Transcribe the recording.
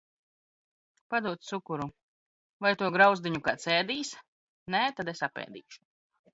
Padod cukuru! Vai to grauzdiņu kāds ēdīs? Nē, tad es apēdīšu.